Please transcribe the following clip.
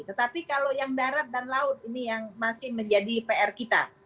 tetapi kalau yang darat dan laut ini yang masih menjadi pr kita